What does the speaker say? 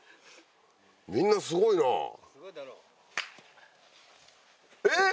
みんなすごいな。え！